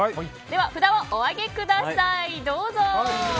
札をお上げください。